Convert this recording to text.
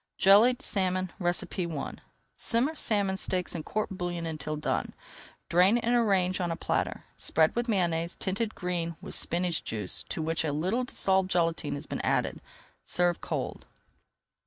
JELLIED SALMON I Simmer salmon steaks in court bouillon until done. Drain and arrange on a platter. Spread with Mayonnaise, tinted green with spinach juice to which a little dissolved gelatine has been added. Serve cold.